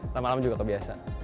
selama malam juga kebiasa